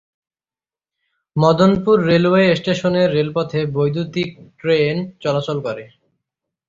Madanpur railway স্টেশনের রেলপথে বৈদ্যুতীক ট্রেন চলাচল করে।